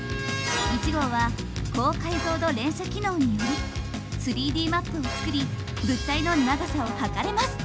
１号は高解像度連写機能により３Ｄマップを作り物体の長さを測れます。